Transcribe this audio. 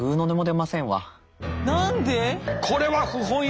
何で？